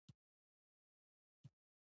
مجلې زیاتره نه لري.